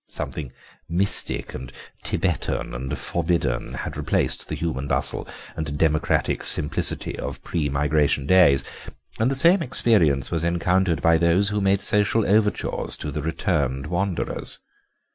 Something mystic and Tibetan and forbidden had replaced the human bustle and democratic simplicity of pre migration days, and the same experience was encountered by those who made social overtures to the returned wanderers.